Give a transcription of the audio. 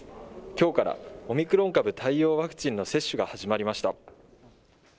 きょうからオミクロン株対応ワクチンの接種が始まりました。